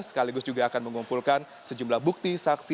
sekaligus juga akan mengumpulkan sejumlah bukti saksi